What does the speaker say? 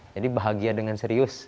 jadi bahagia dengan serius